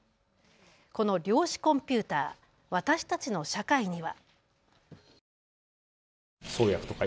この量子コンピューター、私たちの社会には。